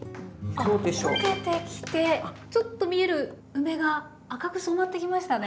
あっ溶けてきてちょっと見える梅が赤く染まってきましたね。